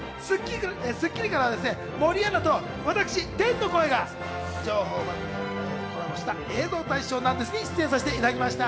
『スッキリ』からは森アナと私、天の声が情報番組がコラボした映像大賞ナンデス！に出演させていただきました。